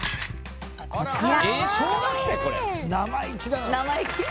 ［こちら］